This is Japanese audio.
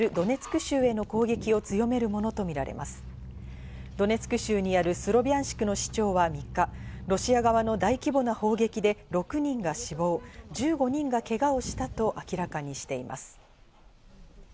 ドネツク州にあるスロビャンシクの市長は３日、ロシア側の大規模な砲撃で６人が死亡、１５人がケガをしたと明らかにしています。